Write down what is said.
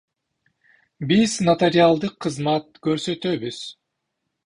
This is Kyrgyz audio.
Биз нотариалдык кызмат көрсөтөбүз.